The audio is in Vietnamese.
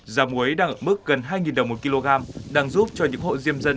già mối đang ở mức gần hai đồng một kg đang giúp cho những hộ diêm dân